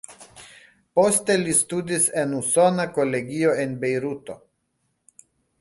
Poste li studis en Usona Kolegio en Bejruto.